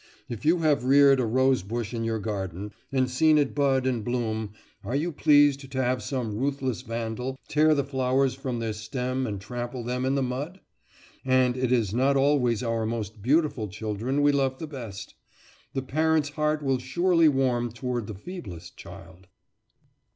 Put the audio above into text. If you have reared a rosebush in your garden, and seen it bud and bloom, are you pleased to have some ruthless vandal tear the flowers from their stem and trample them in the mud? And it is not always our most beautiful children we love the best. The parent's heart will surely warm toward its feeblest child.